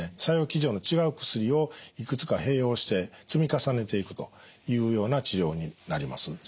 作用機序の違う薬をいくつか併用して積み重ねていくというような治療になります。